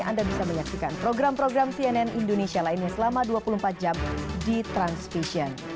anda bisa menyaksikan program program cnn indonesia lainnya selama dua puluh empat jam di transvision